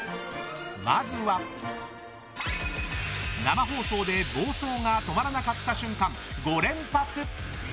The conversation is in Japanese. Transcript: まずは、生放送で暴走が止まらなかった瞬間５連発！